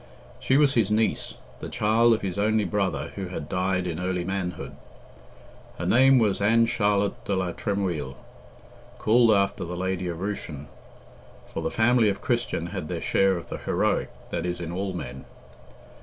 She was his niece, the child of his only brother, who had died in early manhood. Her name was Ann Charlotte de la Tremouille, called after the lady of Rushen, for the family of Christian had their share of the heroic that is in all men.